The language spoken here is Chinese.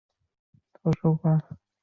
澳洲国家首都展览馆内。